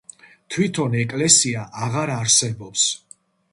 თვითონ ეკლესია აღარ არსებობს.